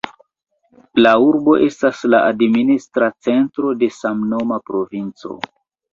La urbo estas la administra centro de samnoma provinco.